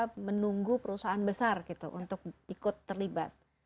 kita menunggu perusahaan besar gitu untuk ikut terlibat